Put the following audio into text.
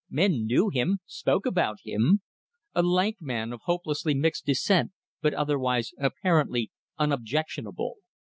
Men knew him; spoke about him. A lank man of hopelessly mixed descent, but otherwise apparently unobjectionable.